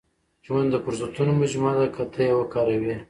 • ژوند د فرصتونو مجموعه ده، که ته یې وکاروې.